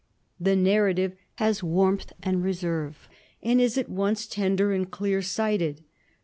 The narrative has warmth and reserve, and is at once tender and clear sighted.